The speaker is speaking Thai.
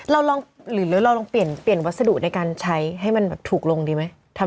หรือเราลองเปลี่ยนวัสดุในการใช้ให้มันแบบถูกลงดีไหม